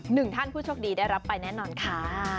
หนึ่งท่านผู้โชคดีได้รับไปแน่นอนค่ะ